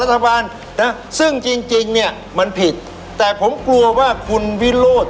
รัฐบาลนะซึ่งจริงจริงเนี่ยมันผิดแต่ผมกลัวว่าคุณวิโรธ